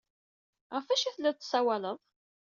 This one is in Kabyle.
Ɣef wacu ay tellid tessawaled?